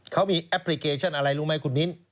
เขามีแอปพลิเคชันอะไรรู้ไหมคุณมิ้น